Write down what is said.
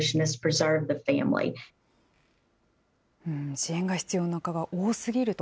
支援が必要なことが多すぎると。